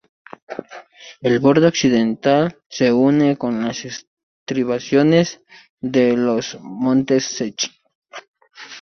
El borde occidental se une con las estribaciones de los Montes Secchi.